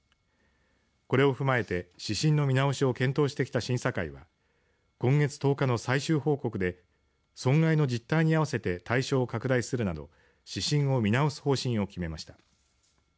これを踏まえて指針の見直しを検討してきた審査会は今月１０日の最終報告で損害の実態に合わせて対象を拡大するなど指針を見直す方針を決めました。